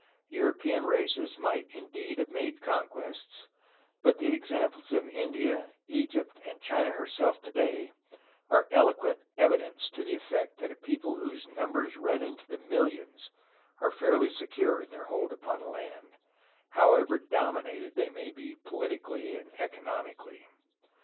European races might indeed have made conquests, but the examples of India, Egypt, and China herself today are eloquent evidence to the effect that a people whose num bers run into the millions are fairly secure in their hold upon a land, however dominated they may be politically and economically.